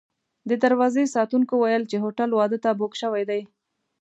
د دروازې ساتونکو ویل چې هوټل واده ته بوک شوی دی.